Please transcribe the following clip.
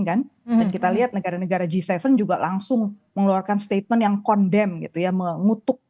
dan kita lihat negara negara g tujuh juga langsung mengeluarkan statement yang condemn gitu ya mengutuk